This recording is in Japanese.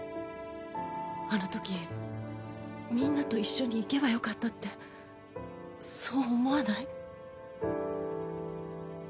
あの時みんなと一緒に行けばよかったってそう思わない？